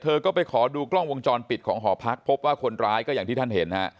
เธอก็ไปขอดูกล้องวงจรปิดของหอพักพบว่าคนร้ายก็อย่างที่ท่านเห็นฮะ